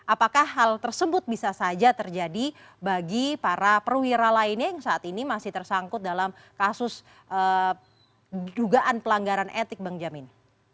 apakah hal tersebut bisa saja terjadi bagi para perwira lainnya yang saat ini masih tersangkut dalam kasus dugaan pelanggaran etik bang jamin